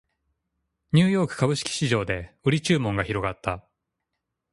ニューヨーク株式市場で売り注文が広がった